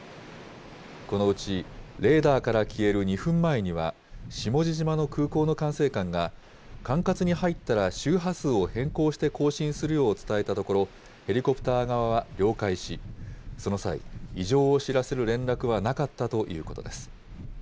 このうち、レーダーから消える２分前には、下地島の空港の管制官が、管轄に入ったら周波数を変更して交信するよう伝えたところ、ヘリコプター側は了解し、その際、異常を知らせる連絡はなかったということです。